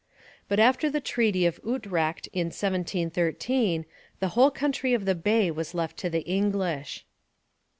But after the Treaty of Utrecht in 1713, the whole country of the Bay was left to the English.